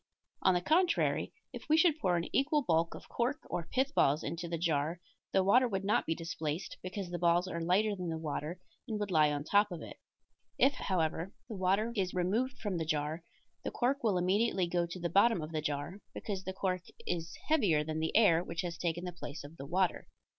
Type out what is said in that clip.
On the contrary, if we should pour an equal bulk of cork or pith balls into the jar the water would not be displaced, because the balls are lighter than the water and would lie on top of it; if, however, the water is removed from the jar, the cork will immediately go to the bottom of the jar, because the cork is heavier than the air which has taken the place of the water.